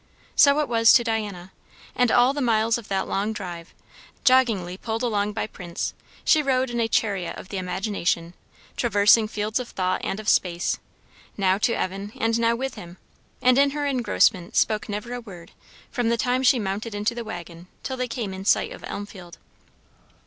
So it was to Diana; and all the miles of that long drive, joggingly pulled along by Prince, she rode in a chariot of the imagination, traversing fields of thought and of space, now to Evan and now with him; and in her engrossment spoke never a word from the time she mounted into the waggon till they came in sight of Elmfield.